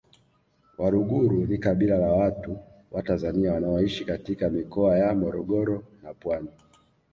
Waluguru ni kabila la watu wa Tanzania wanaoishi katika mikoa ya Morogoro na Pwani